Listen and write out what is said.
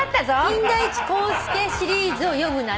「金田一耕助シリーズを読むなら」